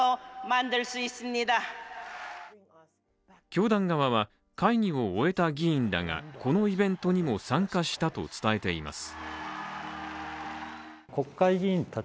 教団側は会議を終えた議員らが、このイベントにも参加したと伝えています。